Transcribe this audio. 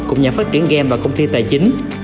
cùng nhà phát triển game và công ty tài chính